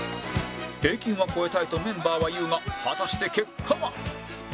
平均は超えたいとメンバーは言うが果たして結果は？